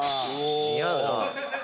似合うな。